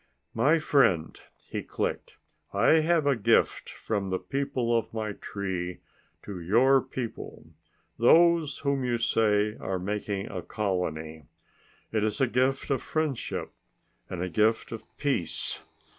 "My friend," he clicked, "I have a gift from the people of my tree to your people those whom you say are making a colony. It is a gift of friendship and a gift of peace.